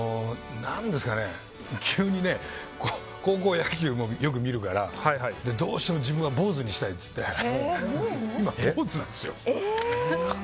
高校野球もよく見るからどうしても自分は坊主にしたいって言って今、坊主なんですよ。